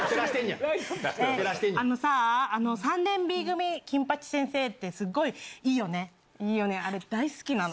あのさ、３年Ｂ組金八先生って、いいよね、あれ大好きなの。